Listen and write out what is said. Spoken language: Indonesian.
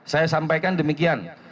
saya sampaikan demikian